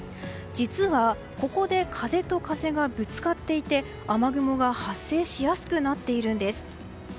実は、ここで風と風がぶつかっていて雨雲が発生しやすくなっているんです。